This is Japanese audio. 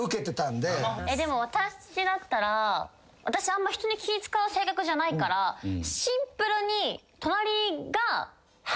でも私だったら私あんま人に気使う性格じゃないからシンプルに。